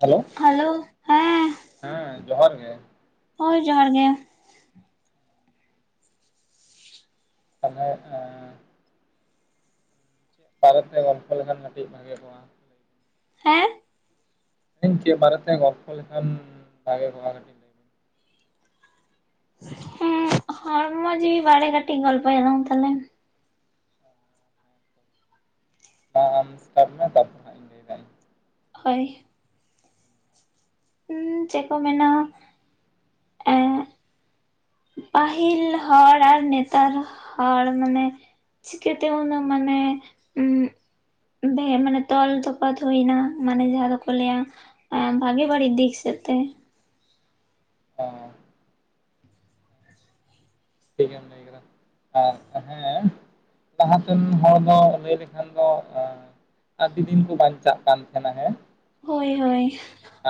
Hello hello ᱦᱮᱸ ᱦᱮᱸ ᱡᱚᱦᱟᱨ ᱜᱮ ᱦᱳᱭ ᱡᱚᱦᱟᱨ ᱜᱮ ᱾ [inaudible] ᱪᱮᱫ ᱵᱟᱨᱮᱛᱮ ᱜᱚᱞᱯᱷᱚ ᱞᱮᱠᱷᱟᱱ ᱢᱤᱫᱴᱤᱡ ᱵᱷᱟᱜᱮ ᱠᱚᱜᱼᱟ ᱾ ᱦᱮᱸ ᱾ ᱤᱧ ᱪᱮᱫ ᱵᱟᱨᱮᱛᱮ ᱜᱚᱞᱯᱚ ᱞᱮᱠᱷᱟᱱ ᱵᱷᱟᱜᱮ ᱠᱚᱜᱼᱟ᱾ ᱞᱟᱹᱭ ᱵᱤᱱ ᱦᱩᱸ ᱦᱚᱲᱢᱚ ᱡᱤᱶᱤ ᱵᱟᱲᱮ ᱠᱟᱹᱴᱤᱡ ᱜᱚᱞᱯᱚ ᱭᱟᱞᱟᱝ ᱛᱟᱞᱮ? [unintelligible] ᱤᱧ ᱦᱳᱭ, ᱦᱩᱸ ᱪᱮᱫ ᱠᱚ ᱢᱮᱱᱟ ᱮᱜ ᱯᱟᱹᱦᱤᱞ ᱦᱚᱲ ᱟᱨ ᱱᱮᱛᱟᱨ ᱦᱚᱲ ᱢᱟᱱᱮ ᱪᱤᱠᱟᱹᱛᱮ ᱩᱱᱟᱜ ᱢᱟᱱᱮ ᱩᱜᱼᱼ ᱵᱮ ᱢᱟᱱᱮ ᱛᱚᱞ ᱛᱚᱯᱛ ᱦᱩᱭ ᱱᱟ ᱢᱟᱱᱮ ᱡᱟᱦᱟᱸ ᱫᱚᱠᱚ ᱞᱟᱹᱭᱟᱼᱼ ᱵᱷᱟᱜᱮ ᱵᱟᱹᱲᱤᱡ ᱫᱤᱠ ᱥᱮᱫ ᱛᱮ᱾ ᱦᱮᱸ ᱴᱷᱤᱠ ᱮᱢ [unintelligible] ᱟᱨ ᱦᱮᱸ ᱞᱟᱦᱟᱛᱮᱱ ᱦᱚᱲ ᱫᱚ ᱞᱟᱹᱭ ᱞᱮᱠᱷᱟᱱ ᱫᱚ ᱮᱸᱼᱼ ᱟᱹᱰᱤ ᱫᱤᱱ ᱠᱚ ᱵᱟᱧᱪᱟᱜ ᱠᱟᱱ ᱛᱟᱦᱮᱸᱱᱟ ᱦᱮᱸ᱾ ᱦᱳᱭ ᱦᱳᱭ,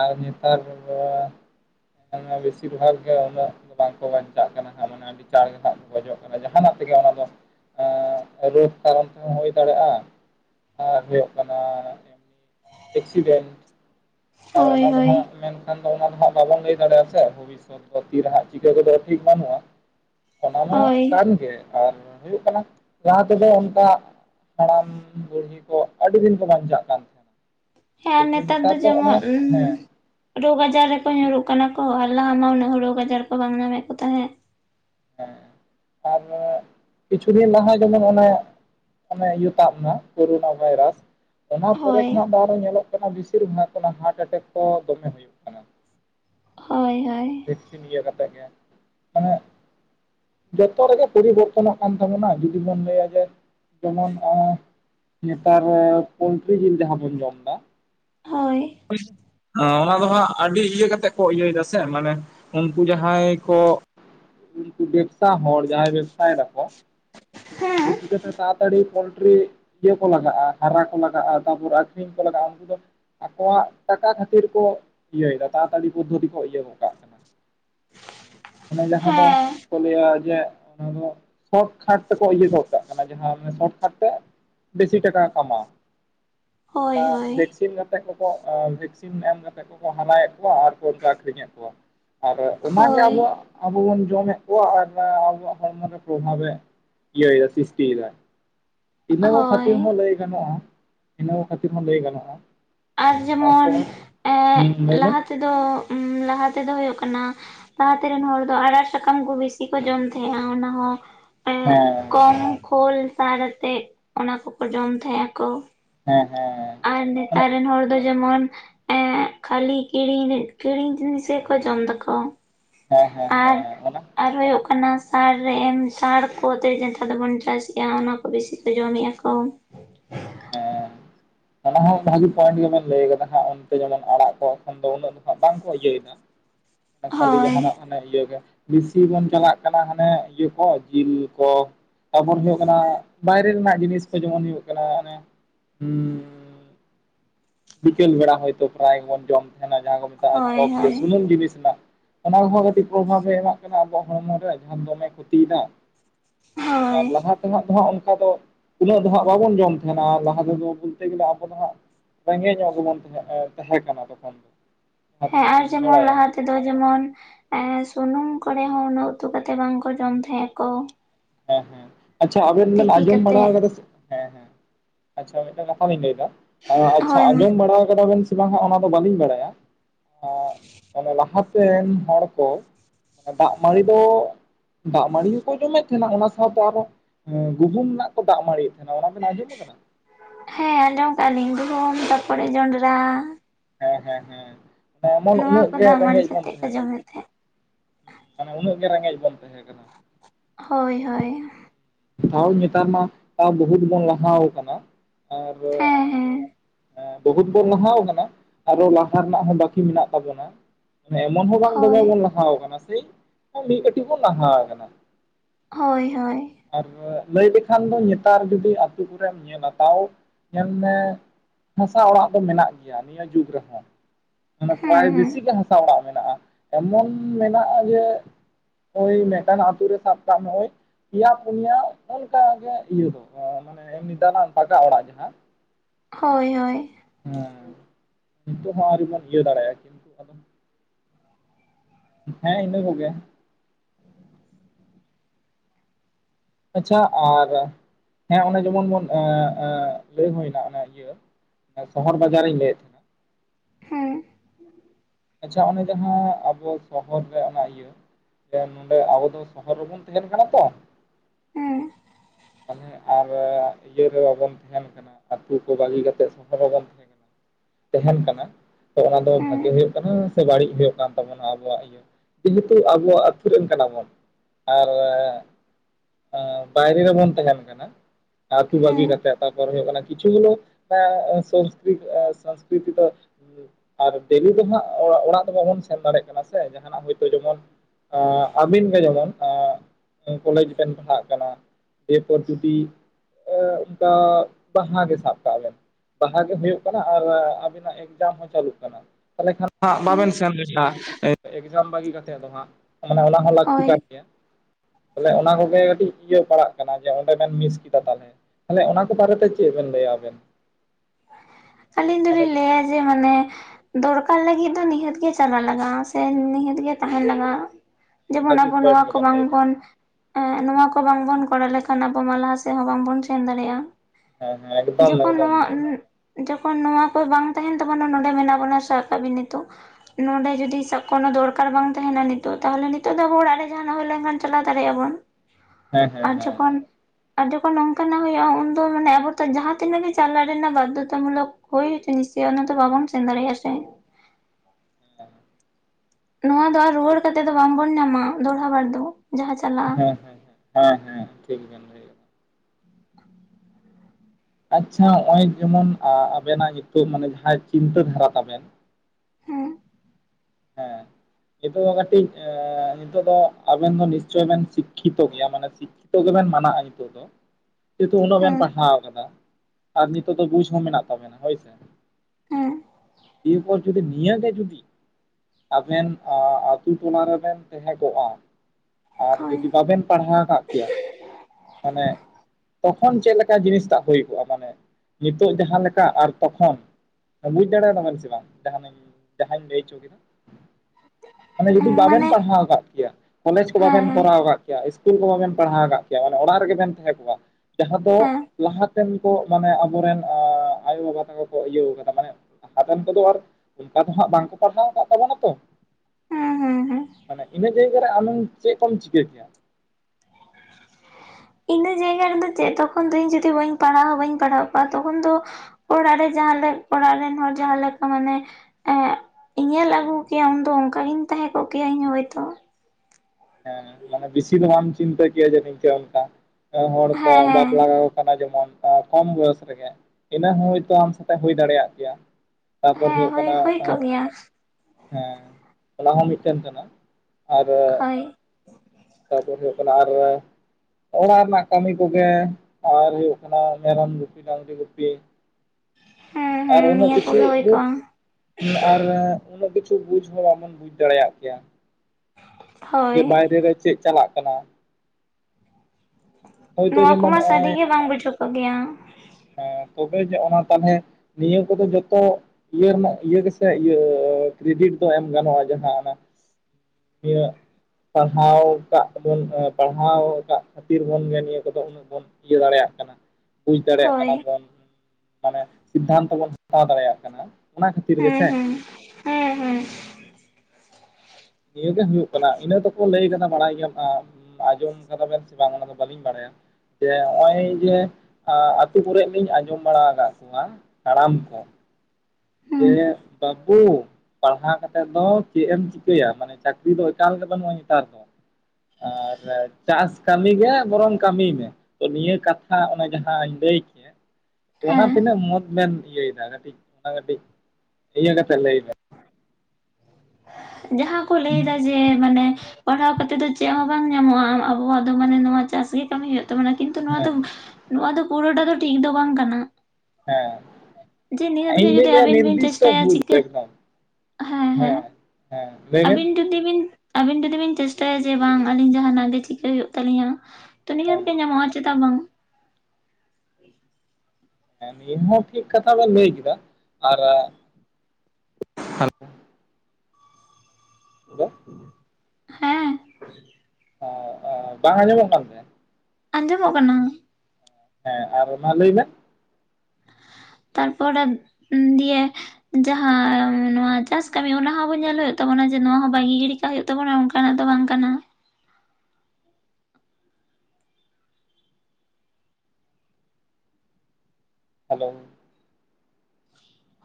ᱟᱨ ᱱᱮᱛᱟᱨ ᱨᱮᱫᱚᱼᱼ ᱵᱮᱥᱤᱨ ᱵᱷᱟᱜᱽ ᱜᱮ ᱩᱱᱟᱹᱜ ᱫᱚ ᱵᱟᱝᱠᱚ ᱵᱟᱧᱪᱟᱜ ᱠᱟᱱᱟ ᱦᱟᱸᱜ ᱢᱟᱱᱮ ᱟᱹᱰᱤ ᱪᱟᱬ ᱜᱮ ᱱᱟᱜ ᱜᱚᱡᱚᱜ ᱠᱟᱱᱟ ᱡᱟᱦᱟᱱᱟᱜ ᱛᱮᱜᱮ ᱚᱱᱟ ᱫᱚ ᱨᱳᱜᱽ ᱠᱟᱨᱚᱱ ᱛᱮᱦᱚᱸ ᱦᱩᱭ ᱫᱟᱲᱮᱜᱼᱟ ᱟᱨ ᱦᱩᱭᱩᱜ ᱠᱟᱱᱟ ᱮᱠᱥᱤᱰᱮᱱ [unintelligible] ᱦᱳᱭ ᱦᱳᱭ, ᱱᱠᱷᱟᱱ ᱫᱚ ᱚᱱᱟ ᱫᱚ ᱦᱟᱸᱜ ᱵᱟᱵᱚᱱ ᱞᱟᱹᱭ ᱫᱟᱲᱮᱜᱼᱟ ᱥᱮ ᱵᱷᱚᱵᱤᱥᱚᱛ ᱛᱤᱨ ᱨᱮ ᱦᱟᱸᱜ ᱪᱤᱠᱟᱹ ᱜᱚᱫᱚᱜ- ᱟ ᱴᱷᱤᱠ ᱵᱟᱹᱱᱩᱜᱼᱟ᱾ ᱚᱱᱟ ᱢᱟ ᱦᱳᱭ ᱠᱟᱱ ᱜᱮ ᱟᱨ ᱦᱩᱭᱩᱜ ᱠᱟᱱᱟ ᱞᱟᱦᱟ ᱛᱮᱫᱚ ᱚᱱᱠᱟ ᱦᱟᱲᱟᱢ ᱵᱩᱲᱦᱤ ᱠᱚ ᱟᱹᱰᱤ ᱫᱤᱱ ᱠᱚ ᱵᱟᱧᱪᱟᱜ ᱠᱟᱱ ᱛᱟᱦᱮᱸ ᱦᱮᱸ ᱟᱨ ᱠᱤᱱᱛᱩ ᱱᱮᱛᱟᱨ ᱫᱚ ᱚᱱᱮᱼᱼ ᱡᱮᱢᱚᱱ ᱦᱮᱸᱻ ᱨᱳᱜᱽ ᱟᱡᱟᱨ ᱨᱮᱠᱚ ᱧᱩᱨᱩᱜ ᱠᱟᱱᱟ ᱠᱚ ᱟᱨ ᱞᱟᱦᱟ ᱢᱟ ᱩᱱᱟᱹᱜ ᱨᱳᱜᱽ ᱟᱡᱟᱨ ᱠᱚ ᱵᱟᱝ ᱧᱟᱢᱮᱫ ᱠᱚ ᱛᱟᱦᱮᱸᱫ᱾ ᱦᱮᱸ ᱟᱨ ᱠᱤᱪᱷᱩ ᱫᱤᱱ ᱞᱟᱦᱟ ᱡᱮᱢᱚᱱ ᱚᱱᱮᱼᱼ ᱚᱱᱮ ᱤᱭᱟ ᱛᱟᱵᱱᱟ ᱠᱳᱨᱳᱱᱟ ᱵᱷᱟᱭᱨᱥ, ᱚᱱᱟ ᱯᱚᱨᱮ ᱦᱳᱭ ᱠᱷᱚᱱᱟᱜ ᱫᱚ ᱟᱨᱚ ᱧᱮᱞᱚᱜ ᱠᱟᱱᱟ ᱵᱤᱥᱤᱨ ᱵᱷᱟᱜᱽ ᱦᱟᱨᱴ ᱮᱴᱮᱠ ᱠᱚ ᱫᱚᱢᱮ ᱦᱩᱭᱩᱜ ᱠᱟᱱ ᱦᱳᱭ ᱦᱳᱭ, ᱵᱷᱮᱠᱥᱤᱱ ᱤᱭᱟᱹ ᱠᱟᱱᱛ ᱜᱮᱭᱟ ᱢᱟᱱᱮ ᱡᱚᱛᱚ ᱨᱮᱜᱮ ᱯᱚᱨᱤ ᱵᱚᱨᱛᱚᱱᱚᱜ ᱠᱟᱱ ᱛᱟᱵᱚᱱᱟ ᱡᱩᱫᱤ ᱵᱚᱱ ᱞᱟᱹᱭᱟ ᱡᱮ ᱡᱮᱢᱚᱱᱼᱼ ᱱᱮᱛᱟᱨ ᱨᱮ ᱯᱞᱴᱨᱤ ᱡᱤᱞ ᱡᱟᱦᱟᱸ ᱵᱚᱱ ᱡᱚᱢ ᱫᱟ᱾ ᱦᱳᱭ᱾ ᱚᱱᱟ ᱫᱚ ᱦᱟᱸᱜ ᱟᱹᱰᱤ ᱤᱭᱟᱹ ᱠᱟᱛᱮᱫ ᱠᱚ ᱤᱭᱟᱹᱭ ᱫᱟ ᱥᱮ ᱢᱟᱱᱮ ᱩᱱᱠᱩ ᱡᱟᱦᱟᱸᱭ ᱠᱚ ᱩᱱᱠᱩ ᱵᱮᱵᱥᱟ ᱦᱚᱲ ᱡᱟᱦᱟᱸᱭ ᱵᱮᱵᱥᱟᱭ ᱫᱟᱠᱚ ᱦᱮᱸ ᱠᱩ ᱪᱤᱠᱟᱛᱮ ᱛᱟᱲᱟ ᱛᱟᱲᱤ ᱯᱳᱚᱞᱴᱨᱤ ᱤᱭᱟᱹ ᱠᱚ ᱞᱟᱜᱟᱜᱼᱟ ᱦᱟᱨᱟ ᱠᱚ ᱞᱟᱜᱟᱜᱼᱟ ᱛᱟᱨᱯᱚᱨ ᱟᱠᱷᱨᱤᱧ ᱠᱚ ᱞᱟᱜᱟᱜᱼᱟ ᱩᱱᱠᱩ ᱫᱚ ᱟᱠᱚᱣᱟᱜ ᱴᱟᱠᱟ ᱠᱷᱟᱹᱛᱤᱨ ᱠᱚ ᱤᱭᱟᱹᱭ ᱫᱟ ᱛᱟᱲᱟ ᱛᱟᱲᱤ ᱯᱚᱫᱽᱫᱷᱚᱛᱤ ᱠᱚ ᱤᱭᱟᱹ ᱜᱚᱜ ᱠᱟᱱᱟ ᱚᱱᱮ ᱡᱟᱦᱟᱸ ᱫᱚ ᱦᱮᱸ ᱠᱚ ᱞᱟᱹᱭᱟ ᱡᱮ ᱚᱱᱟ ᱫᱚ ᱥᱚᱴ ᱠᱷᱴ ᱛᱮᱠᱚ ᱤᱭᱟᱹ ᱜᱚᱜ ᱠᱟᱜ ᱠᱟᱱᱟ ᱡᱟᱦᱟᱸ ᱥᱚᱴ ᱠᱷᱟᱴ ᱛᱮ ᱵᱮᱥᱤ ᱴᱟᱠᱟ ᱠᱟᱢᱟᱣ᱾ ᱦᱳᱭ [unintelligible] [inaudible] ᱦᱳᱭ ᱠᱟᱛᱮᱫ ᱠᱚ ᱵᱷᱮᱠᱥᱤᱱ ᱮᱢ ᱠᱟᱛᱮᱫ ᱠᱚᱠᱚ ᱦᱟᱞᱟᱭᱮᱫ ᱠᱚᱣᱟ ᱟᱨ ᱠᱚ ᱟᱠᱷᱨᱤᱧᱮᱫ ᱠᱚᱣᱟ᱾ ᱟᱨ ᱚᱱᱟᱜᱮ ᱦᱳᱭ ᱟᱵᱚᱣᱟᱜ ᱟᱵᱚ ᱵᱚᱱ ᱡᱚᱢᱮᱫ ᱠᱚᱣᱟ ᱟᱨ ᱟᱵᱚᱣᱟᱜ ᱦᱚᱲᱢᱚ ᱨᱮ ᱯᱨᱚᱵᱷᱟᱵ ᱮᱼᱼ ᱤᱭᱟᱹᱭ ᱫᱟ ᱥᱨᱤᱥᱴᱤᱫᱟᱭ ᱤᱱᱟᱹ ᱠᱚ ᱦᱳᱭ ᱠᱷᱟᱹᱛᱤᱨ ᱦᱚᱸ ᱞᱟᱹᱭ ᱜᱟᱱᱚᱜᱼᱟ᱾ ᱤᱱᱟᱹ ᱠᱷᱟᱹᱛᱤᱨ ᱦᱚᱸ ᱞᱟᱹᱭ ᱜᱟᱱᱚᱜᱼᱟ᱾ ᱟᱨ ᱡᱮᱢᱚᱱ ᱛᱟᱨᱯᱚᱨ ᱮᱜ ᱦᱩᱸ ᱞᱟᱹᱭ ᱵᱮᱱ ᱞᱟᱦᱟ ᱛᱮᱫᱚ, ᱞᱟᱦᱟ ᱛᱮᱫᱚ ᱦᱳᱭᱳᱜ ᱠᱟᱱᱟ ᱞᱟᱦᱟ ᱛᱮᱨᱮᱱ ᱦᱚᱲ ᱫᱚ, ᱟᱲᱟ ᱥᱟᱠᱟᱢ ᱠᱚ ᱵᱮᱥᱤ ᱠᱚ ᱡᱚᱢ ᱛᱟᱦᱮᱸᱫᱼᱟ, ᱚᱱᱟ ᱦᱚᱸ ᱮᱜ ᱦᱮᱸ ᱠᱚᱢ ᱠᱷᱳᱞ ᱥᱟᱨ ᱟᱛᱮᱜ, ᱚᱱᱟ ᱠᱚᱠᱚ ᱡᱚᱢ ᱛᱟᱦᱮᱸᱜ ᱟᱠᱚ᱾ ᱦᱮᱸ ᱦᱮᱸᱻ᱾ ᱟᱨ ᱱᱮᱛᱟᱨ ᱨᱮᱱ ᱦᱚᱲ ᱫᱚ ᱡᱮᱢᱚᱱ ᱮᱸᱜ ᱠᱷᱟᱹᱞᱤ ᱠᱤᱨᱤᱧ ᱠᱤᱨᱤᱧ, ᱡᱤᱱᱤᱥ ᱜᱮᱠᱚ ᱡᱚᱢ ᱫᱟᱠᱚ᱾ ᱦᱮᱸ ᱦᱮᱸ ᱟᱨ ᱦᱮᱸ ᱚᱱᱟ ᱟᱨ ᱦᱳᱭᱳᱜ ᱠᱟᱱᱟ ᱥᱟᱨ ᱨᱮ ᱮᱢ, ᱥᱟᱨ ᱠᱚᱛᱮ ᱡᱮᱛᱷᱟ ᱫᱚᱵᱚᱱ ᱪᱟᱥᱮᱼᱟ, ᱚᱱᱟ ᱠᱚ ᱵᱤᱥᱤ ᱠᱚ ᱡᱚᱢᱮᱼᱟ ᱠᱚ᱾ ᱦᱮᱸ᱾ ᱚᱱᱟ ᱦᱚᱸ ᱵᱷᱟᱜᱤ ᱯᱚᱭᱮᱱᱴ ᱜᱮᱵᱮᱱ ᱞᱟᱹᱭ ᱠᱟᱫᱟ, ᱦᱟᱸᱜ ᱚᱱᱛᱮ ᱡᱮᱢᱚᱱ ᱟᱲᱟᱜ ᱠᱚ ᱮᱠᱷᱚᱱ ᱫᱚ ᱩᱱᱟᱹᱜ ᱫᱚ ᱦᱟᱸᱜ ᱵᱟᱝ ᱠᱚ ᱤᱭᱟᱹᱭ ᱫᱟ᱾ ᱠᱷᱟᱹᱞᱤ ᱦᱳᱭ ᱡᱟᱦᱟᱱᱟᱜ ᱢᱟᱱᱮ ᱤᱭᱟᱹ ᱜᱮ᱾ ᱵᱮᱥᱤ ᱵᱚᱱ ᱪᱟᱞᱟᱜ ᱠᱟᱱᱟ, ᱦᱟᱱᱮ ᱤᱭᱟᱹ ᱠᱚ ᱡᱤᱞ ᱠᱚ᱾ ᱛᱟᱨᱯᱚᱨ ᱦᱳᱭᱳᱜ ᱠᱟᱱᱟ ᱵᱟᱭᱨᱮ ᱨᱮᱱᱟᱜ ᱡᱤᱱᱤᱥ ᱠᱚ, ᱡᱮᱢᱚᱱ ᱦᱳᱭᱳᱜ ᱠᱟᱱᱟ, ᱚᱱᱮ ᱦᱩᱸ ᱵᱤᱠᱮᱞ ᱵᱮᱲᱟ ᱦᱚᱭᱛᱳ ᱯᱨᱟᱭ ᱜᱮᱵᱚᱱ ᱡᱚᱢ ᱛᱟᱦᱮᱱᱟ ᱡᱟᱦᱟᱸ ᱠᱚ ᱢᱮᱛᱟᱜᱼᱟ, ᱦᱳᱭ ᱪᱚᱯ ᱤᱭᱟᱹ ᱦᱳᱭ ᱥᱩᱱᱩᱢ ᱡᱤᱱᱤᱥ ᱨᱮᱱᱟᱜ᱾ ᱚᱱᱟ ᱠᱚᱦᱚᱸ ᱠᱟᱹᱴᱤᱡ ᱯᱨᱚᱵᱷᱟᱵᱮ ᱮᱢᱟᱜ ᱠᱟᱱᱟ, ᱟᱵᱚᱣᱟᱜ ᱦᱚᱲᱢᱚ ᱨᱮ ᱡᱟᱦᱟᱸ ᱫᱚᱢᱮ ᱠᱷᱚᱛᱤᱭ ᱫᱟ᱾ ᱟᱨ ᱦᱳᱭ ᱞᱟᱦᱟ ᱛᱮ ᱦᱟᱸᱜ ᱡᱟᱦᱟ ᱚᱱᱠᱟ ᱫᱚ ᱩᱱᱟᱹᱜ ᱫᱚ ᱦᱟᱸᱜ ᱵᱟᱵᱚᱱ ᱡᱚᱢ ᱛᱟᱦᱮᱱᱟ, ᱞᱟᱦᱟ ᱛᱮᱫᱚ ᱵᱚᱞᱛᱮ ᱜᱮᱞᱮ ᱟᱵᱚ ᱫᱚ ᱦᱟᱸᱜ ᱨᱮᱸᱜᱮ ᱧᱚᱜ ᱜᱮᱵᱚᱱ ᱛᱟᱦᱮᱸ, ᱛᱟᱦᱮᱸ ᱠᱟᱱᱟ ᱛᱚᱠᱷᱚᱱ᱾ ᱡᱟᱦᱟᱸ ᱦᱮᱸ ᱛᱤᱱᱟᱹᱜ ᱟᱨ ᱞᱤᱧ ᱡᱮᱢᱚᱱ ᱵᱟᱲᱟᱭᱟ ᱞᱟᱦᱟ ᱛᱮᱫᱚ ᱡᱮᱢᱚᱱ ᱮᱸ ᱥᱩᱱᱩᱢ ᱠᱚᱨᱮ ᱦᱚᱸ, ᱩᱱᱟᱹᱜ ᱩᱛᱩ ᱠᱟᱛᱮᱜ ᱵᱟᱝ ᱠᱚ ᱡᱚᱢ ᱛᱟᱦᱮᱸ ᱠᱚ᱾ ᱦᱮᱸ ᱦᱮᱸ, ᱟᱪᱪᱷᱟ ᱟᱵᱮᱱ ᱵᱮᱱ ᱟᱸᱡᱚᱢ ᱵᱟᱲᱟ ᱠᱟᱛᱮᱜ ᱠᱟᱫᱟ ᱥᱮ? ᱦᱮᱸ ᱦᱮᱸ, ᱟᱪᱪᱷᱟ ᱢᱤᱫᱴᱟᱝ ᱠᱟᱛᱷᱟ ᱞᱤᱧ ᱞᱟᱹᱭ ᱫᱟ, ᱟᱪᱪᱷᱟ ᱦᱳᱭ ᱟᱸᱡᱚᱢ ᱵᱟᱲᱟ ᱟᱠᱟᱫᱟ ᱵᱮᱱ ᱥᱮ? ᱵᱟᱝ ᱚᱱᱟ ᱫᱚ ᱵᱟᱹᱞᱤᱧ ᱵᱟᱲᱟᱭᱟ, ᱢᱟᱱᱮ ᱞᱟᱦᱟᱛᱮᱱ ᱦᱚᱲ ᱠᱚ ᱫᱟᱜ ᱢᱟᱹᱲᱤ ᱫᱚ ᱫᱟᱜ ᱢᱟᱹᱲᱤ ᱜᱮᱠᱚ ᱡᱚᱢᱮᱫ ᱛᱟᱦᱮᱸᱱᱟ ᱚᱱᱟ ᱥᱟᱶᱛᱮ ᱟᱨᱚ, ᱜᱩᱦᱩᱢ ᱨᱮᱱᱟᱜ ᱠᱚ ᱫᱟᱜ ᱢᱲᱤᱭᱮᱫ ᱛᱟᱦᱮᱸᱱᱟ, ᱚᱱᱟ ᱵᱮᱱ ᱟᱸᱡᱚᱢ ᱠᱟᱫᱟ? ᱦᱮᱸ ᱟᱸᱡᱚᱢ ᱠᱟᱜᱼᱟ ᱞᱤᱧ, ᱜᱩᱦᱩᱢ ᱛᱟᱯᱚᱨᱮ ᱡᱚᱱᱰᱨᱟ᱾ ᱦᱮᱸᱻ ᱦᱮᱸᱻ ᱦᱮᱸᱻ, ᱮᱢᱚᱱ ᱱᱚᱣᱟ ᱩᱱᱟᱹᱜ ᱠᱚ ᱜᱮ ᱫᱟᱜ ᱢᱟᱹᱲᱤ ᱨᱮᱸᱜᱮᱡ ᱵᱚᱱ ᱠᱟᱛᱮᱜ ᱛᱟᱦᱮᱸ ᱠᱟᱱᱟ᱾ [unintelligible] [unintelligible] ᱢᱟᱱᱮ ᱩᱱᱟᱹᱜ ᱜᱮ ᱨᱮᱸᱜᱮᱡ ᱵᱚᱱ ᱛᱟᱦᱮᱸ ᱠᱟᱱᱟ᱾ ᱦᱳᱭᱻ ᱦᱳᱭ᱾ ᱴᱷᱟᱶ ᱱᱮᱛᱟᱨ ᱢᱟ ᱛᱟᱣ ᱵᱚᱦᱩᱛ ᱵᱚᱱ ᱞᱟᱦᱟ ᱠᱟᱱᱟ, ᱟᱨ ᱦᱮᱸ ᱦᱮᱸ ᱮᱸ ᱵᱚᱦᱩᱛ ᱵᱚᱱ ᱞᱟᱦᱟᱣ ᱠᱟᱱᱟ, ᱟᱨᱚ ᱞᱟᱦᱟ ᱨᱮᱱᱟᱜ ᱦᱚᱸ ᱵᱟᱹᱠᱤ ᱢᱮᱱᱟᱜ ᱛᱟᱵᱚᱱᱟ᱾ ᱮᱢᱚᱱ ᱦᱚᱸ ᱵᱟᱝ ᱫᱚᱢᱮ ᱦᱳᱭ ᱵᱚᱱ ᱞᱟᱦᱟᱣ ᱠᱟᱱᱟ, ᱥᱮᱭ ᱢᱤᱫ ᱠᱟᱹᱴᱤᱡ ᱵᱚᱱ ᱞᱟᱦᱟ ᱠᱟᱱᱟ᱾ ᱦᱳᱭᱻ ᱦᱳᱭ᱾ ᱟᱨ ᱞᱟᱹᱭ ᱞᱮᱠᱷᱟᱱ ᱫᱚ, ᱱᱮᱛᱟᱨ ᱡᱩᱫᱤ ᱟᱛᱩ ᱠᱚᱨᱮᱢ ᱧᱮᱞᱼᱟ ᱛᱟᱣ ᱧᱮᱞ ᱢᱮ ᱦᱟᱥᱟ ᱚᱲᱟᱜ ᱫᱚ ᱢᱮᱱᱟᱜ ᱜᱮᱭᱟ ᱱᱤᱭᱟᱹ ᱡᱩᱜᱽ ᱨᱮᱦᱚᱸ᱾ ᱢᱟᱱᱮ ᱦᱮᱸ ᱯᱨᱟᱭ ᱦᱮᱸ ᱵᱮᱥᱤᱜ ᱜᱮ, ᱦᱟᱥᱟ ᱚᱲᱟᱜ ᱢᱮᱱᱟᱜᱼᱟ ᱮᱢᱚᱱ ᱢᱮᱱᱟᱜᱼᱟ ᱡᱮ ᱳᱭ ᱢᱮᱴᱟᱱ ᱟᱛᱩ ᱨᱮ ᱥᱟᱵ ᱠᱟᱜ ᱢᱮ ᱳᱭ ᱯᱤᱭᱟ ᱯᱩᱱᱭᱟ ᱚᱱᱠᱟᱜᱮ ᱤᱭᱟᱹ ᱫᱚ, ᱢᱟᱱᱮ ᱮᱢᱱᱤ ᱫᱟᱞᱟᱱ, ᱯᱟᱠᱟ ᱚᱲᱟᱜ ᱡᱟᱦᱟᱸ ᱦᱳᱭᱻ ᱦᱳᱭᱻ᱾ ᱦᱮᱸ ᱱᱤᱛᱚᱜ ᱦᱚᱸ ᱟᱹᱣᱨᱤ ᱵᱚᱱ, ᱤᱭᱟᱹ ᱫᱟᱲᱮᱭᱟᱜᱼᱟ ᱠᱤᱱᱛᱩ ᱟᱫᱚ᱾ ᱦᱮᱸ ᱤᱱᱟᱹ ᱠᱚᱜᱮ᱾ ᱟᱪᱪᱷᱟ ᱟᱨ ᱦᱮᱸ, ᱚᱱᱮ ᱡᱮᱢᱚᱱ ᱵᱚᱱ ᱞᱟᱹᱭ ᱦᱳᱭ ᱮᱱᱟ, ᱚᱱᱟ ᱤᱭᱟᱹ ᱥᱚᱦᱚᱨ ᱵᱟᱡᱟᱨᱤᱧ ᱞᱟᱹᱭᱮᱫ ᱛᱟᱦᱮᱸ᱾ ᱦᱩᱸ, ᱟᱪᱪᱷᱟ ᱚᱱᱮ ᱡᱟᱦᱟᱸ ᱟᱵᱚ ᱥᱚᱦᱚᱨ ᱨᱮ ᱚᱱᱟ ᱤᱭᱟᱹ ᱱᱚᱰᱮ ᱟᱵᱚ ᱫᱚ ᱥᱚᱦᱚᱨ ᱨᱮᱵᱩᱱ ᱛᱟᱦᱮᱱ ᱠᱟᱱᱟ ᱛᱚ ᱦᱩᱸ ᱛᱟᱦᱞᱮ ᱟᱨ ᱤᱭᱟᱹ ᱨᱮ ᱵᱟᱵᱚᱱ ᱛᱟᱦᱮᱱ ᱠᱟᱱᱟ ᱟᱹᱛᱩ ᱠᱚ ᱵᱟᱹᱜᱤ ᱠᱟᱛᱮ ᱥᱚᱦᱚᱨ ᱨᱮᱵᱚᱱ ᱛᱟᱦᱮᱱ ᱛᱟᱦᱮᱱ ᱠᱟᱱᱟ ᱛᱚ ᱚᱱᱟ ᱫᱚ ᱵᱷᱟᱜᱮ ᱦᱮᱸ ᱦᱩᱭᱩᱜ ᱠᱟᱱᱟ ᱥᱮ ᱵᱟᱹᱲᱤᱡ ᱦᱩᱭᱩᱜ ᱠᱟᱱ ᱛᱟᱵᱚᱱᱟ ᱟᱵᱚᱣᱟᱜ ᱤᱭᱟᱹ ᱡᱮᱦᱮᱛᱩ ᱟᱵᱚᱣᱟᱜ ᱟᱛᱳ ᱨᱮᱱ ᱠᱟᱱᱟ ᱵᱚᱱ ᱟᱨ ᱮᱸ ᱮᱸ ᱵᱟᱭᱨᱮ ᱨᱮᱵᱚᱱ ᱛᱟᱦᱮᱱ ᱠᱟᱱᱟ ᱟᱹᱛᱩ ᱵᱟᱹᱜᱤ ᱦᱮᱸ ᱠᱟᱛᱮᱜ ᱛᱟᱨᱯᱚᱨ ᱦᱩᱭᱩᱜ ᱠᱟᱱᱟ ᱠᱤᱪᱷᱩ ᱜᱩᱞᱳ ᱦᱮᱸ ᱥᱚᱝᱥᱠᱨᱤ ᱥᱚᱝᱥᱠᱨᱤᱛᱤ ᱫᱚ ᱟᱨ ᱰᱮᱞᱤ ᱫᱚ ᱦᱟᱸᱜ ᱚᱲᱟᱜ ᱫᱚ ᱵᱟᱵᱚᱱ ᱥᱮᱱ ᱫᱟᱲᱮᱭᱟᱜ ᱠᱟᱱᱟ ᱥᱮ ᱡᱟᱦᱟᱱᱟᱜ ᱦᱳᱭᱛᱳ ᱡᱮᱢᱚᱱ ᱮ ᱟᱹᱵᱤᱱ ᱜᱮ ᱡᱮᱢᱚᱱ ᱠᱚᱞᱮᱡᱽ ᱵᱤᱱ ᱯᱟᱲᱦᱟᱜ ᱠᱟᱱᱟ᱾ ᱨᱮ ᱯᱚᱨ ᱡᱩᱫᱤ [unintelligible] ᱯᱟᱸᱲᱦᱟ ᱜᱮ ᱥᱟᱵ ᱠᱟᱜ ᱵᱮᱱ᱾ ᱵᱟᱦᱟ ᱜᱮ ᱦᱩᱭᱩᱜ ᱠᱟᱱᱟ ᱟᱨ ᱟᱵᱤᱱᱟᱜ ᱮᱠᱡᱟᱢ ᱦᱚᱸ ᱪᱟᱹᱞᱩᱜ ᱠᱟᱱᱟ ᱛᱟᱦᱚᱞᱮ ᱠᱷᱟᱱ [unintelligible] ᱦᱮᱸ ᱵᱟᱵᱮᱱ ᱥᱮᱱ ᱞᱮᱱᱟ ᱮᱠᱡᱟᱢ ᱵᱟᱹᱜᱤ ᱠᱟᱛᱮᱫ ᱫᱚ ᱦᱟᱸᱜ, ᱚᱱᱟ ᱦᱚᱸ ᱞᱟᱹᱠᱛᱤ ᱦᱳᱭ ᱠᱟᱱ ᱜᱮᱭᱟ, ᱵᱚᱞᱮ ᱚᱱᱟ ᱠᱚᱜᱮ ᱠᱟᱹᱴᱤᱡ ᱤᱭᱟᱹ ᱯᱟᱲᱟᱜ ᱜᱮ᱾ ᱚᱱᱟ ᱡᱮ ᱚᱸᱰᱮ ᱵᱮᱱ ᱢᱤᱥ ᱠᱮᱫᱟ ᱛᱟᱦᱚᱞᱮ ᱛᱟᱦᱚᱞᱮ ᱚᱱᱟ ᱠᱚ ᱵᱟᱨᱮᱛᱮ ᱪᱮᱫ ᱵᱮᱱ ᱞᱟᱹᱭᱟ ᱟᱵᱮᱱ? ᱟᱹᱞᱤᱧ ᱢᱟᱱᱮ ᱫᱚᱞᱤᱧ ᱞᱟᱹᱭᱟ ᱡᱮ ᱦᱟᱱᱮ ᱫᱚᱲᱠᱟᱨ ᱞᱟᱹᱜᱤᱫ ᱫᱚ ᱱᱤᱦᱟᱹᱛ ᱜᱮ ᱪᱟᱞᱟᱜ ᱞᱟᱜᱟᱜᱼᱟ ᱥᱮ ᱱᱤᱦᱟᱹᱛ ᱜᱮ ᱛᱟᱸᱦᱮᱱ ᱞᱟᱜᱟᱜᱼᱟ᱾ ᱡᱮᱢᱚᱱ ᱵᱷᱟᱹᱜᱤ ᱟᱵᱚ ᱱᱚᱣᱟ ᱯᱚᱭᱮᱱᱴ ᱠᱚ ᱜᱮᱵᱮᱱ ᱵᱟᱝ ᱞᱟᱹᱭ ᱠᱟᱫᱟ ᱵᱚᱱ ᱮᱸᱜ ᱱᱚᱣᱟ ᱠᱚ ᱵᱟᱝᱵᱚᱱ ᱠᱚᱨᱟᱣ ᱞᱮᱠᱷᱟᱱ ᱟᱵᱚ ᱢᱟ ᱞᱟᱦᱟ ᱥᱮᱫ ᱦᱚᱸ ᱵᱟᱝᱵᱚᱱ ᱥᱮᱱ ᱫᱟᱲᱮᱭᱟᱜᱼᱟ᱾ ᱦᱮᱸ ᱦᱮᱸ ᱮᱠᱫᱚᱢ ᱡᱚᱠᱷᱚᱱ ᱮᱠᱫᱚᱢ ᱱᱚᱣᱟ [unintelligible] ᱡᱚᱠᱷᱚᱱ ᱱᱚᱣᱟ ᱠᱚ ᱵᱟᱝ ᱛᱟᱸᱦᱮᱱ ᱛᱟᱵᱚᱱᱟ ᱱᱚᱰᱮ ᱢᱮᱱᱟᱜ ᱵᱚᱱᱟ ᱥᱟᱵ ᱠᱟᱜ ᱵᱤᱱ ᱱᱤᱛᱚᱜ ᱱᱚᱸᱰᱮ ᱡᱩᱫᱤ [unintelligible] ᱠᱳᱱᱳ ᱫᱚᱨᱠᱟᱨ ᱵᱟᱝ ᱛᱟᱦᱮᱱᱟ ᱱᱤᱛᱚᱜ, ᱛᱟᱦᱚᱞᱮ ᱱᱤᱛᱚᱜ ᱫᱚ ᱟᱵᱚ ᱚᱲᱟᱜ ᱨᱮ ᱡᱟᱸᱦᱟᱱᱟᱜ ᱦᱩᱭ ᱞᱮᱱᱠᱷᱟᱱ ᱪᱟᱞᱟᱣ ᱫᱟᱲᱮᱭᱟᱜᱼᱟ ᱵᱚᱱ᱾ ᱦᱮᱸ ᱦᱮᱸ ᱟᱨ ᱦᱮᱸ ᱡᱚᱠᱷᱚᱱ ᱟᱨ ᱡᱚᱠᱷᱚᱱ ᱚᱱᱠᱟ ᱱᱟᱜᱷ ᱦᱳᱭᱳᱜᱼᱟ ᱩᱱᱫᱚ ᱢᱟᱱᱮ ᱟᱵᱚ ᱫᱚ ᱡᱟᱦᱟᱸ ᱛᱤᱱᱟᱹᱜ ᱜᱮ ᱪᱟᱞᱟᱣ ᱨᱮᱱᱟᱜ ᱵᱟᱫ ᱵᱟᱫᱫᱷᱚᱛᱟ ᱢᱩᱞᱚᱠ ᱦᱩᱭ ᱦᱚᱪᱚᱱᱤᱡ ᱥᱮ ᱚᱱᱟ ᱫᱚ ᱵᱟᱵᱚᱱ ᱥᱮᱱ ᱫᱟᱲᱮᱭᱟᱜ ᱟ ᱥᱮ᱾ ᱦᱮᱸ ᱱᱚᱣᱟ ᱫᱚ ᱟᱨ ᱨᱩᱣᱟᱹᱲ ᱠᱟᱛᱮᱜ ᱫᱚ ᱵᱟᱝᱵᱚᱱ ᱧᱟᱢᱟ ᱫᱚᱦᱲᱟ ᱵᱟᱨ ᱫᱚ ᱡᱟᱦᱟᱸ ᱪᱟᱞᱟᱜᱼᱟ᱾ [unintelligible] ᱦᱮᱸ ᱦᱮᱸ ᱴᱷᱤᱠ ᱜᱮ᱾ [unintelligible] ᱟᱪᱪᱷᱟ ᱱᱚᱜᱼᱚᱭ ᱡᱮᱢᱚᱱ ᱟᱵᱮᱱᱟᱜ ᱧᱩᱛᱩᱢ ᱢᱟᱱᱮ ᱡᱟᱦᱟᱸᱭ ᱪᱤᱱᱛᱟᱹ ᱫᱷᱟᱨᱟ ᱛᱟᱵᱮᱱ ᱦᱮᱸ ᱦᱮᱸ ᱱᱤᱛᱚᱜ ᱫᱚ ᱠᱟᱹᱴᱤᱡ ᱱᱤᱛᱚᱜ ᱫᱚ ᱟᱵᱮᱱ ᱫᱚ ᱱᱤᱥᱪᱳᱭ ᱵᱮᱱ ᱥᱤᱠᱠᱷᱤᱛᱚ ᱜᱮᱭᱟ ᱢᱟᱱᱮ ᱥᱤᱠᱠᱷᱤᱛᱚ ᱜᱮᱵᱮᱱ ᱢᱟᱱᱟᱜ ᱱᱤᱛᱚᱜ ᱫᱚ᱾ ᱡᱮᱦᱮᱛᱩ ᱩᱱᱟᱹᱜ ᱵᱮᱱ ᱦᱮᱸ ᱯᱟᱲᱦᱟᱣ ᱟᱠᱟᱫᱟ ᱟᱨ ᱱᱤᱛᱚᱜ ᱫᱚ ᱵᱩᱡᱽ ᱦᱚᱸ ᱢᱮᱱᱟᱜ ᱛᱟᱵᱮᱱᱟ ᱦᱳᱭ ᱥᱮ ᱦᱩᱸ ᱮᱸ-ᱯᱚᱨ ᱡᱩᱫᱤ ᱱᱤᱭᱟᱹ ᱜᱮ ᱡᱩᱫᱤ ᱟᱵᱮᱱ ᱟᱹᱛᱩ ᱴᱚᱞᱟ ᱨᱮᱵᱮᱱ ᱛᱟᱦᱮᱸ ᱠᱚᱜᱼᱟ᱾ ᱟᱨ ᱦᱳᱭ ᱡᱩᱫᱤ ᱵᱟᱵᱮᱱ ᱯᱟᱲᱦᱟᱣ ᱠᱟᱜ ᱠᱮᱭᱟ ᱢᱟᱱᱮ ᱛᱚᱠᱷᱚᱱ ᱪᱮᱫ ᱞᱮᱠᱟ ᱡᱤᱱᱤᱥᱴᱟᱜ ᱦᱳᱭ ᱠᱚᱜᱼᱟ ᱢᱟᱱᱮ ᱱᱤᱛᱚᱜ ᱡᱟᱦᱟᱸ ᱞᱮᱠᱟ ᱟᱨ ᱛᱚᱠᱷᱚᱱ ᱵᱩᱡᱽ ᱫᱟᱲᱮᱭᱟ ᱫᱟ ᱵᱤᱱ ᱥᱮ ᱵᱟᱝ ᱡᱟᱸᱦᱟᱞᱤᱧ ᱡᱟᱦᱟᱧ ᱞᱟᱹᱭ ᱪᱚ ᱠᱮᱫᱟ᱾ ᱢᱟᱱᱮ ᱡᱩᱫᱤ ᱵᱟᱵᱮᱱ ᱢᱟᱱᱮ ᱯᱟᱲᱦᱟᱣ ᱠᱟᱜ ᱠᱮᱭᱟ᱾ ᱠᱚᱞᱮᱡᱽ ᱠᱚ ᱵᱟᱵᱮᱱ ᱦᱮᱸ ᱦᱮᱸ ᱠᱚᱨᱟᱣ ᱠᱟᱫ ᱠᱮᱭᱟ, ᱤᱥᱠᱩᱞ ᱠᱚ ᱵᱟᱵᱮᱱ ᱯᱟᱲᱦᱟᱣ ᱠᱟᱫ ᱠᱮᱭᱟ ᱢᱟᱱᱮ ᱚᱲᱟᱜ ᱨᱮᱜᱮ ᱵᱮᱱ ᱛᱟᱦᱮᱸ ᱠᱚᱜᱼᱟ᱾ ᱡᱟᱦᱟᱸ ᱫᱚ ᱦᱮᱸ ᱞᱟᱦᱟᱛᱮᱱ ᱠᱚ ᱢᱟᱱᱮ ᱟᱵᱚᱨᱮᱱ ᱟᱸ ᱟᱭᱳ ᱵᱟᱵᱟ ᱛᱟᱠᱚ ᱠᱚ ᱤᱭᱟᱹᱣ ᱠᱟᱫᱟ ᱢᱟᱱᱮ ᱞᱟᱦᱟ ᱨᱮᱱ ᱠᱚᱫᱚ ᱟᱨ ᱚᱱᱠᱟ ᱫᱚ ᱦᱟᱸᱜ ᱵᱟᱝᱠᱚ ᱯᱟᱲᱦᱟᱣ ᱠᱟᱫ ᱛᱟᱵᱚᱱᱟ ᱛᱚ ᱦᱮᱸ ᱦᱮᱸ ᱦᱮᱸ ᱢᱟᱱᱮ ᱤᱱᱟᱹ ᱡᱟᱭᱜᱟ ᱨᱮ ᱟᱢᱮᱢ ᱪᱮᱫ ᱠᱚᱢ ᱪᱤᱠᱟᱹ ᱠᱮᱭᱟ? ᱤᱱᱟᱹ ᱡᱟᱭᱜᱟ ᱨᱮᱫᱚ ᱪᱮᱫ ᱛᱚᱠᱷᱚᱱ ᱫᱚ ᱤᱧ ᱡᱩᱫᱤ ᱵᱟᱹᱧ ᱯᱟᱲᱦᱟᱣ ᱵᱟᱹᱧ ᱯᱟᱲᱦᱟᱣ ᱠᱚᱣᱟ ᱛᱚᱠᱷᱚᱱ ᱫᱚ ᱚᱲᱟᱜ ᱨᱮ ᱡᱟᱦᱟᱸᱞᱮ ᱚᱲᱟᱜ ᱨᱮᱱ ᱦᱚᱲ ᱡᱟᱦᱟᱸᱮᱠᱟ ᱢᱟᱱᱮ ᱮᱸᱜ ᱧᱮᱞ ᱟᱹᱜᱩ ᱠᱮᱭᱟ ᱩᱱᱫᱚ, ᱚᱱᱠᱟᱜᱤᱧ ᱛᱟᱦᱮᱸ ᱠᱚᱜ ᱠᱮᱭᱟ ᱤᱧ ᱦᱚᱸ ᱦᱚᱭᱛᱚ᱾ ᱦᱮᱸ ᱢᱟᱱᱮ ᱵᱤᱥᱤ ᱫᱚ ᱪᱤᱱᱛᱟᱹ ᱠᱮᱭᱟ ᱡᱟᱹᱱᱤᱡ ᱪᱚ ᱚᱱᱠᱟ᱾ ᱦᱚᱲ ᱠᱚ ᱦᱮᱸ ᱦᱮᱸ ᱵᱟᱯᱞᱟ ᱠᱟᱠᱚ ᱠᱟᱱᱟ ᱡᱮᱢᱚᱱ ᱠᱚᱢ ᱵᱚᱭᱚᱥ ᱨᱮᱜᱮ ᱤᱱᱟᱹ ᱦᱚᱸ ᱦᱳᱭᱛᱳ ᱟᱢ ᱥᱟᱛᱮᱜ ᱦᱩᱭ ᱫᱟᱲᱮᱭᱟᱜ ᱜᱮᱭᱟ ᱾ ᱛᱟᱨᱯᱚᱨ ᱦᱮᱸ ᱦᱩᱭᱩᱜ ᱦᱳᱭ ᱠᱟᱱᱟ ᱦᱳᱭ ᱠᱚᱜ ᱜᱮᱭᱟ ᱦᱮᱸ ᱚᱱᱟ ᱦᱚᱸ ᱢᱤᱫᱴᱮᱱ ᱠᱟᱱᱟ ᱟᱨ ᱦᱳᱭ ᱛᱟᱯᱚᱨᱮ ᱦᱩᱭᱩᱜ ᱠᱟᱱᱟ ᱟᱨ ᱚᱲᱟᱜ ᱨᱮᱱᱟᱜ ᱠᱟᱹᱢᱤ ᱠᱚᱜᱮ ᱟᱨ ᱦᱩᱭᱩᱜ ᱠᱟᱱᱟ ᱢᱮᱨᱚᱢ ᱜᱩᱯᱤ ᱰᱟᱝᱨᱤ ᱜᱩᱯᱤ ᱦᱮᱸ ᱟᱨ ᱦᱮᱸ ᱩᱱᱟᱹᱜ ᱱᱤᱭᱟᱹ ᱠᱤᱪᱷᱩ ᱠᱚᱜᱮ ᱦᱳᱭ ᱵᱩᱡᱽ ᱠᱚᱜᱼᱟ ᱟᱨ ᱩᱱᱟᱹᱜ ᱠᱤᱪᱷᱩ ᱵᱩᱡᱽ ᱦᱚᱸ ᱵᱟᱵᱚᱱ ᱵᱩᱡᱽ ᱫᱟᱲᱮᱭᱟᱜ ᱠᱮᱭᱟ ᱾ ᱦᱳᱭ ᱡᱮ ᱵᱟᱭᱨᱮ ᱨᱮ ᱪᱮᱫ ᱪᱟᱞᱟᱜ ᱠᱟᱱᱟ ᱾ ᱦᱳᱭᱛᱳ ᱱᱚᱣᱟ ᱡᱮᱢᱚᱱ ᱠᱚᱢᱟ ᱥᱟᱹᱨᱤ ᱱᱚᱜᱼᱚᱭ ᱜᱮ ᱵᱟᱝ ᱵᱩᱡᱷᱟᱹᱣ ᱠᱚᱜ ᱜᱮᱭᱟ ᱾ ᱦᱮᱸ ᱛᱚᱵᱮ ᱡᱮ ᱚᱱᱟ ᱛᱟᱦᱚᱞᱮ ᱱᱤᱭᱟᱹ ᱠᱚᱫᱚ ᱡᱚᱛᱚ ᱤᱭᱟᱹ ᱨᱮᱱᱟᱜ ᱤᱭᱟᱹ ᱜᱮ ᱥᱮ ᱤᱭᱟᱹ ᱠᱨᱮᱰᱤᱴ ᱫᱚ ᱮᱢ ᱜᱟᱱᱚᱜᱼᱟ, ᱡᱟᱦᱟᱸ ᱚᱱᱟ ᱤᱭᱟᱹ ᱯᱟᱲᱦᱟᱣ ᱠᱟᱜ ᱵᱚᱱ, ᱯᱟᱲᱦᱟᱣ ᱠᱟᱜ ᱠᱷᱟᱹᱛᱤᱨ ᱵᱚᱱ ᱜᱮ ᱱᱤᱭᱟᱹ ᱠᱚᱫᱚ᱾ ᱵᱟᱵᱚᱱ ᱤᱭᱟᱹ ᱫᱟᱲᱮᱭᱟᱜ ᱠᱟᱱᱟ ᱾ ᱵᱩᱡ ᱫᱟᱲᱮᱭᱟᱜ ᱦᱳᱭ ᱠᱟᱱᱟ ᱵᱚᱱ, ᱢᱟᱱᱮ ᱥᱤᱫᱷᱟᱱᱛᱚ ᱵᱚᱱ ᱦᱟᱛᱟᱣ ᱫᱟᱲᱮᱭᱟᱜ ᱠᱟᱱᱟ ᱾ ᱚᱱᱟ ᱠᱷᱟᱹᱛᱤᱨ ᱜᱮ ᱥᱮ? ᱦᱮᱸ, ᱦᱮᱸ᱾ ᱱᱤᱭᱟ ᱜᱮ ᱦᱩᱭᱩᱜ ᱠᱟᱱᱟ᱾ ᱤᱱᱟᱹ ᱫᱚᱠᱚ ᱞᱟᱹᱭ ᱠᱟᱫᱟ ᱵᱟᱲᱟᱭ ᱟᱢ ᱟᱸᱡᱚᱢ ᱠᱟᱫᱟ ᱵᱮᱱ ᱥᱮ ᱵᱟᱝ ᱚᱱᱟ ᱫᱚ ᱵᱟᱹᱞᱤᱧ ᱵᱟᱲᱟᱭᱟ ᱾ ᱡᱮ ᱦᱚᱭᱼᱚᱭ ᱡᱮ ᱟᱸ ᱟᱹᱛᱩ ᱠᱚᱨᱮᱜ ᱞᱤᱧ ᱟᱸᱡᱚᱢ ᱵᱟᱲᱟ ᱟᱠᱟᱠ ᱠᱚᱣᱟ ᱦᱟᱲᱟᱢ ᱠᱚ ᱦᱩᱸ ᱡᱮ ᱵᱟᱵᱩ ᱯᱟᱲᱦᱟᱣ ᱠᱟᱛᱮᱫ ᱫᱚ, ᱪᱮᱫ ᱮᱢ ᱪᱤᱠᱟᱹᱭᱟ, ᱢᱟᱱᱮ ᱪᱟᱹᱠᱨᱤ ᱫᱚ ᱮᱠᱟᱞ ᱜᱮ ᱵᱟᱹᱱᱩᱜᱼᱟ, ᱱᱮᱛᱟᱨ ᱫᱚ ᱾ ᱟᱨ ᱪᱟᱥ ᱠᱟᱹᱢᱤ ᱜᱮ ᱵᱚᱨᱚᱝ ᱠᱟᱹᱢᱤ ᱢᱮ ᱾ ᱛᱚ ᱱᱤᱭᱟᱹ ᱠᱟᱛᱷᱟ ᱚᱱᱮ ᱡᱟᱦᱟᱸᱧ ᱞᱟᱹᱭ ᱠᱮᱭᱟ ᱾ ᱚᱱᱟ ᱦᱮᱸ ᱛᱤᱱᱟᱹᱜ ᱢᱚᱛ ᱵᱮᱱ ᱤᱭᱟᱹ ᱫᱟ ᱠᱟᱹᱴᱤᱡ, ᱚᱱᱟ ᱠᱟᱹᱴᱤᱡ ᱤᱭᱟᱹ ᱠᱟᱛᱮ ᱞᱟᱹᱭ ᱵᱮᱱ ᱾ ᱡᱟᱦᱟᱸ ᱠᱚ ᱞᱟᱹᱭ ᱫᱟᱭ ᱡᱮ ᱢᱟᱱᱮ ᱯᱟᱲᱦᱟᱣ ᱠᱟᱛᱮ ᱫᱚ ᱪᱮᱫ ᱦᱚᱸ ᱵᱟᱝ ᱧᱟᱢᱚᱜᱼᱟ, ᱟᱵᱚᱣᱟᱜ ᱫᱚ ᱢᱟᱱᱮ ᱱᱚᱣᱟ ᱪᱟᱥ ᱜᱮ ᱠᱟᱹᱢᱤ ᱦᱩᱭᱩᱜ ᱛᱟᱵᱚᱱᱟ ᱠᱤᱱᱛᱩ ᱱᱚᱣᱟ ᱦᱮᱸ ᱫᱚ ᱱᱚᱣᱟ ᱫᱚ ᱯᱩᱨᱟᱹᱴᱟ ᱫᱚ ᱴᱷᱤᱠ ᱫᱚ ᱵᱟᱝ ᱠᱟᱱᱟ ᱾ ᱦᱮᱸ ᱜᱮ ᱤᱧ ᱫᱚᱧ ᱡᱩᱫᱤ ᱞᱟᱹᱭᱟ ᱟᱵᱤᱱ ᱵᱤᱱ ᱱᱤᱨᱫᱤᱥᱴᱚ ᱪᱮᱥᱴᱟᱭᱟ ᱵᱷᱩᱞ ᱪᱤᱠᱟᱹ ᱮᱠᱫᱚᱢ ᱾ ᱦᱮᱸ, ᱦᱮᱸ ᱞᱟᱹᱭ ᱵᱮᱱ ᱟᱹᱵᱤᱱ ᱡᱩᱫᱤ ᱵᱤᱱ, ᱟᱵᱮᱱ ᱡᱩᱫᱤ ᱵᱤᱱ ᱪᱮᱥᱴᱟᱭᱟ ᱡᱮ ᱵᱟᱝ ᱟᱞᱤᱧ ᱡᱟᱦᱟᱱᱟᱜ ᱜᱮ ᱪᱤᱠᱟᱹᱭ ᱦᱩᱭᱩᱜ ᱛᱟᱹᱞᱤᱧᱟ ᱛᱚ ᱱᱤᱦᱟᱹᱛ ᱦᱮᱸ ᱜᱮ ᱧᱟᱢᱚᱜᱼᱟ ᱪᱮᱫᱟᱜ ᱵᱟᱝ? ᱱᱤᱭᱟᱹ ᱦᱚᱸ ᱴᱷᱤᱠ ᱠᱟᱛᱷᱟ ᱵᱮᱱ ᱞᱟᱹᱭ ᱠᱮᱫᱟ, ᱟᱨ ᱦᱮᱞᱳ ᱾ ᱦᱮᱸ [inaudible] ᱵᱟᱝ ᱟᱸᱡᱚᱢᱚᱜ ᱠᱟᱱ ᱛᱟᱦᱮᱸ ᱟᱸᱡᱚᱢᱚᱜ ᱠᱟᱱᱟ ᱾ ᱦᱮᱸ ᱟᱨ ᱢᱟ ᱞᱟᱹᱭ ᱵᱮᱱ ᱛᱟᱨᱯᱚᱨᱮ ᱫᱤᱭᱮ ᱡᱟᱦᱟᱸ ᱱᱚᱣᱟ ᱪᱟᱥ ᱠᱟᱹᱢᱤ ᱚᱱᱟ ᱦᱚᱸ ᱟᱵᱚᱱ ᱧᱮᱞ ᱦᱩᱭᱩᱜ ᱛᱟᱵᱚᱱᱟ, ᱡᱮ ᱱᱚᱣᱟ ᱦᱚᱸ ᱵᱟᱹᱜᱤ ᱜᱤᱰᱤ [unintelligible] ᱦᱩᱭᱩᱜ ᱛᱟᱵᱚᱱᱟ, ᱚᱱᱠᱟᱱᱟᱜ ᱫᱚ ᱵᱟᱝ ᱠᱟᱱᱟ ᱾ ᱦᱮᱞᱳ ᱾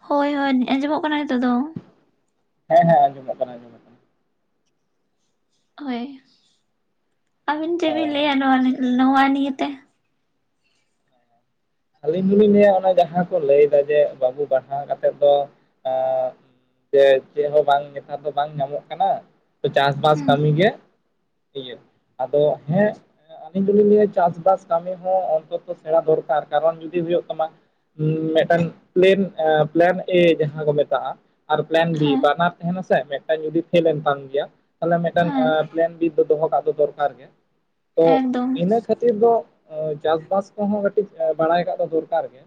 ᱦᱳᱭ ᱦᱳᱭ ᱟᱸᱡᱚᱢᱚᱜ ᱠᱟᱱᱟ ᱱᱤᱛᱳᱜ ᱫᱚ᱾ ᱦᱮᱸ ᱦᱮᱸ ᱚᱸᱡᱚᱢᱚᱜ ᱠᱟᱱᱟ [unintelligible] ᱦᱳᱭ ᱟᱵᱤᱱ ᱪᱮᱵᱤᱱ ᱚ ᱞᱟᱹᱭᱟ ᱱᱚᱣᱟ ᱞᱤ ᱱᱚᱣᱟ ᱱᱤᱭᱮ ᱛᱮ? ᱟᱹᱞᱤᱧ ᱫᱚᱞᱤᱧ ᱞᱟᱹᱭᱟ ᱚᱱᱟ ᱡᱟᱦᱟᱸ ᱠᱚ ᱞᱟᱹᱭ ᱫᱟ ᱡᱮ ᱵᱟᱹᱵᱩ ᱯᱟᱲᱦᱟᱣ ᱠᱟᱛᱮᱫ ᱫᱚ ᱟᱸ ᱡᱮ ᱪᱮᱫ ᱦᱚᱸ ᱵᱟᱝ ᱱᱮᱛᱟᱨ ᱫᱚ ᱵᱟᱝ ᱧᱟᱢᱚᱜ ᱠᱟᱱᱟ ᱪᱟᱥ ᱵᱟᱥ ᱦᱮᱸ ᱠᱟᱹᱢᱤ ᱜᱮ ᱦᱳᱭᱳᱜ ᱟᱫᱚ ᱦᱮᱸ ᱟᱹᱞᱤᱧ ᱫᱚᱞᱤᱧ ᱞᱟᱹᱭᱟ ᱪᱟᱥ ᱵᱟᱥ ᱠᱟᱹᱢᱤ ᱦᱚᱸ ᱚᱱᱛᱛᱚ ᱥᱮᱲᱟ ᱫᱚᱨᱠᱟᱨ, ᱠᱟᱨᱚᱱ ᱡᱩᱫᱤ ᱦᱩᱭᱩᱜ ᱛᱟᱢᱟ ᱢᱮᱫ ᱴᱮᱱ ᱯᱮᱞᱮᱱ ᱯᱞᱮᱱ ᱮ ᱡᱟᱦᱟᱸ ᱠᱚ ᱢᱮᱛᱟᱜ-ᱟ᱾ ᱟᱨ ᱯᱮᱞᱮᱱ ᱵᱤ ᱦᱮᱸ ᱵᱟᱱᱟᱨ ᱛᱟᱦᱮᱱᱟᱥᱮ, ᱢᱮᱫ ᱴᱮᱱ ᱡᱩᱫᱤ ᱯᱷᱮᱞ ᱮᱱ ᱛᱟᱢ ᱜᱮᱭᱟ ᱛᱟᱞᱦᱮ ᱢᱮᱫ ᱴᱮᱱ ᱦᱮᱸ ᱮᱸ ᱯᱞᱮᱱ ᱵᱤᱫ ᱫᱚ ᱫᱚᱦᱚ ᱠᱟᱜ ᱜᱮ ᱫᱚᱨᱠᱟᱨ ᱜᱮ᱾ ᱛᱚ ᱮᱠᱫᱚᱢ ᱤᱱᱟᱹ ᱠᱷᱟᱹᱛᱤᱨ ᱫᱚ ᱪᱟᱥ ᱵᱟᱥ ᱠᱚᱦᱚᱸ ᱠᱟᱹᱴᱤᱡ ᱵᱟᱲᱟᱭ ᱠᱟᱜ ᱫᱚ ᱫᱚᱨᱠᱟᱨ ᱜᱮ᱾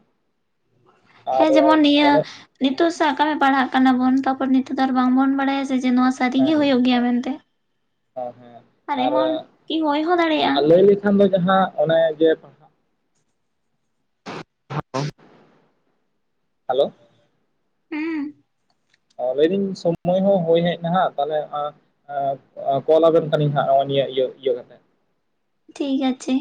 ᱟᱨ ᱦᱮᱸ ᱡᱮᱢᱚᱱ ᱱᱤᱭᱟᱹ ᱚᱱᱮ ᱱᱤᱛᱳᱜ ᱥᱟᱵ ᱠᱟᱜ ᱢᱮ ᱯᱟᱲᱦᱟᱜ ᱠᱟᱱᱟ ᱵᱚᱱ, ᱛᱟᱯᱚᱨ ᱱᱤᱛᱳᱜ ᱫᱚ ᱟᱨ ᱵᱟᱝᱵᱚᱱ ᱵᱟᱲᱟᱭ-ᱟ ᱥᱮ ᱡᱮ ᱱᱚᱣᱟ ᱥᱟᱹᱨᱤ ᱜᱮ ᱦᱮᱸ ᱦᱳᱭᱳᱜ ᱜᱮᱭᱟ ᱢᱮᱱᱛᱮ᱾ [unintelligible] ᱟᱨ ᱮᱢᱚᱱ ᱠᱤ ᱦᱳᱭ ᱦᱚᱸ ᱫᱟᱲᱮᱭᱟᱜ-ᱟ᱾ ᱠᱷᱟᱱ ᱫᱚ ᱡᱟᱦᱟᱸ ᱚᱱᱮ ᱡᱮ ᱯᱟᱲᱦᱟᱜ ᱦᱟᱞᱳ ᱦᱩᱸ ᱞᱟᱹᱭ ᱫᱟᱹᱧ ᱥᱚᱢᱚᱭ ᱦᱚᱸ ᱦᱳᱭ ᱦᱮᱡᱱᱟ ᱦᱟᱸᱜ ᱛᱟᱞᱦᱮ ᱮᱸ ᱠᱚᱞ ᱟᱵᱮᱱ ᱠᱟᱹᱱᱤᱧ ᱦᱟᱸᱜ ᱱᱚᱜᱚᱭ ᱱᱤᱭᱟᱹ ᱤᱭᱟᱹ ᱤᱭᱟᱹ ᱠᱟᱛᱮᱜ᱾ ᱴᱷᱤᱠ ᱜᱟᱪᱷᱮ᱾